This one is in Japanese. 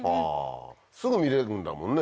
すぐ見れるんだもんね。